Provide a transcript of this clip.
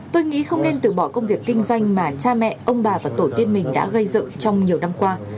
tôi nghĩ không nên từ bỏ công việc kinh doanh mà cha mẹ ông bà và tổ tiên mình đã gây dựng trong nhiều năm qua